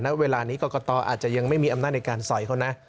ณเวลานี้กรกตอาจจะยังไม่มีอำนาจในการสอยเขานะ